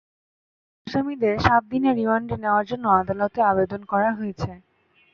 অন্য আসামিদের সাত দিনের রিমান্ডে নেওয়ার জন্য আদালতে আবেদন করা হয়েছে।